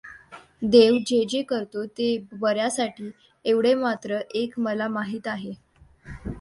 देव जे जे करतो ते बऱ्यासाठी, एवढे मात्र एक मला माहीत आहे.